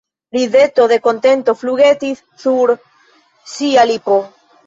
Rideto de kontento flugetis sur ŝia lipo.